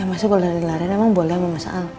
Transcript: ya masa gue lari larian emang boleh sama mas al